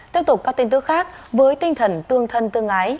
tiếp tục các tin tức khác với tinh thần tương thân tương ái